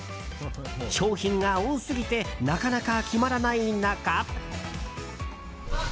商品が多すぎてなかなか決まらない中。